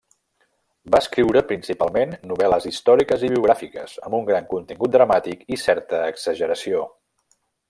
Va escriure principalment novel·les històriques i biogràfiques, amb un gran contingut dramàtic i certa exageració.